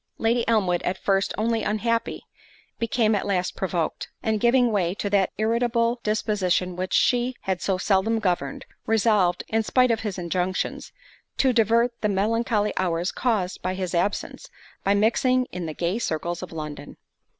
Lady Elmwood, at first only unhappy, became at last provoked; and giving way to that irritable disposition which she had so seldom governed, resolved, in spite of his injunctions, to divert the melancholy hours caused by his absence, by mixing in the gay circles of London.